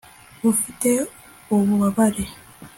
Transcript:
ufite ububabare